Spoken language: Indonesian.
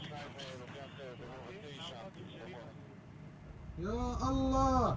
pembangunan pertahanan udara israel